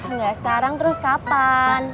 nggak sekarang terus kapan